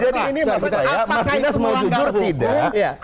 jadi ini mas inas mau jujur tidak